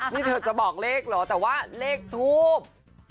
นี่เธอจะบอกเลขเหรอแต่ว่าเลขทูบ